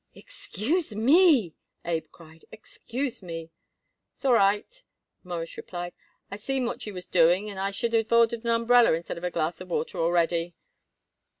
"Excuse me," Abe cried. "Excuse me." "S'all right," Morris replied. "I seen what you was doing and I should of ordered an umbrella instead of a glass of water already."